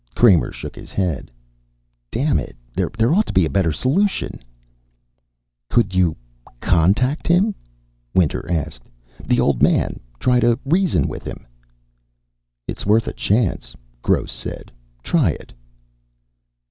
Kramer shook his head. "Damn it, there ought to be a better solution." "Could you contact him?" Winter asked. "The Old Man? Try to reason with him?" "It's worth a chance," Gross said. "Try it."